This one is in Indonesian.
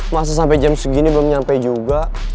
masa sampe jam segini belum nyampe juga